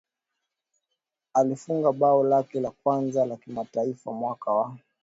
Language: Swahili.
Alifunga bao lake la kwanza la kimataifa mwaka wa